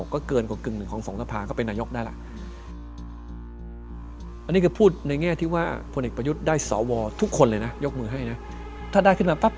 ก็เกินกับกึ่งหนึ่งของ๒ทะพราคก็เล่นยกได้อ่ะอันนี้ก็พูดในแง่ที่ว่าพ่อเนคปรยุทธได้สอวทุกคนเลยนะยกมือให้นะ